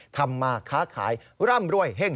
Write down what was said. ทำมาค้าขายร่ำรวยเฮ่ง